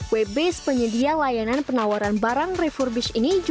web based penyedia layanan penawaran barang refurbished ini